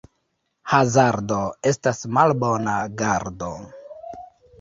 Hazardo estas malbona gardo.